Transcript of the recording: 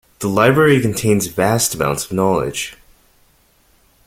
The library contains vast amounts of knowledge.